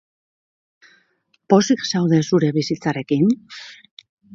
Pozik zaude zure bizitzarekin?